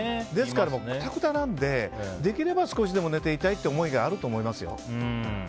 ですから、くたくたなのでできれば少しでも寝ていたいという思いがあると思いますよ。